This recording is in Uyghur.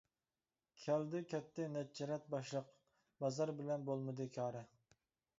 كەلدى، كەتتى نەچچە رەت باشلىق، بازار بىلەن بولمىدى كارى.